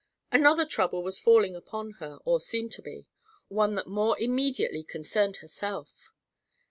Another trouble was falling upon her, or seemed to be; one that more immediately concerned herself.